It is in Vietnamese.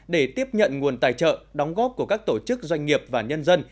để tiếp nhận nguồn tài trợ đóng góp của các tổ chức doanh nghiệp và nhân dân